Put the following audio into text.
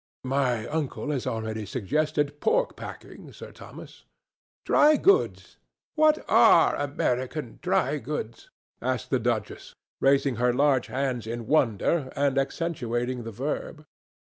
"My uncle has already suggested pork packing, Sir Thomas." "Dry goods! What are American dry goods?" asked the duchess, raising her large hands in wonder and accentuating the verb.